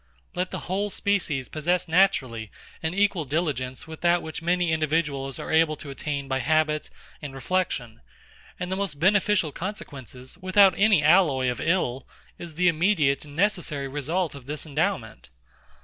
Let the whole species possess naturally an equal diligence with that which many individuals are able to attain by habit and reflection; and the most beneficial consequences, without any allay of ill, is the immediate and necessary result of this endowment.